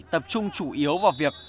tập trung chủ yếu vào việc